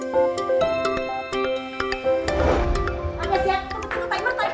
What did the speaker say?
siap timer timer